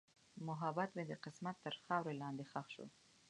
محبت مې د قسمت تر خاورو لاندې ښخ شو.